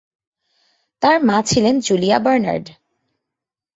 তার মা ছিলেন জুলিয়া বার্নার্ড।